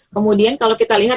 kemudian kalau kita lihat